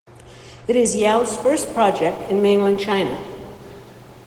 It is Yau's first project in mainland China.